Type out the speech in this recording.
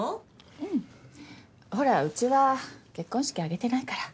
うんほらうちは結婚式挙げてないから。